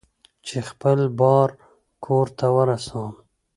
چې خپل بار کور ته ورسوم.